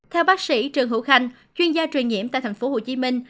theo bác sĩ trường hữu khanh chuyên gia truyền nhiễm tại tp hcm